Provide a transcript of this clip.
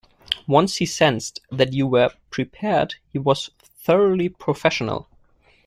Once he sensed that you were prepared he was thoroughly professional.